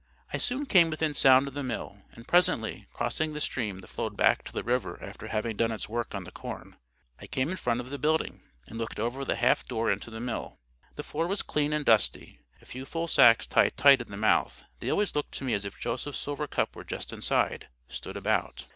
I soon came within sound of the mill; and presently, crossing the stream that flowed back to the river after having done its work on the corn, I came in front of the building, and looked over the half door into the mill. The floor was clean and dusty. A few full sacks, tied tight at the mouth—they always look to me as if Joseph's silver cup were just inside—stood about.